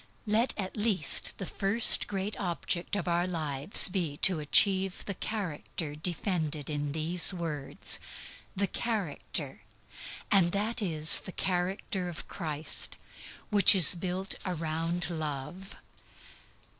_ Let at least the first great object of our lives be to achieve the character defended in these words, the character and it is the character of Christ which is built round Love.